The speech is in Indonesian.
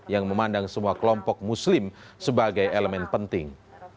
yang memandang semua kelompok muslim sebagai elemen penting